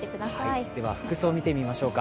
服装、見てみましょうか。